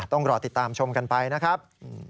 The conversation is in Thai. ต้องรอติดตามชมกันไปนะครับ